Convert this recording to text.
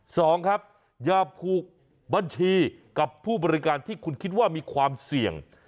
สองครับอย่าผูกบัญชีกับผู้บริการที่คุณคิดว่ามีความเสี่ยง